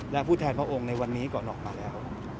และผู้แทนพระองค์ในวันนี้ก่อนออกมาแล้ว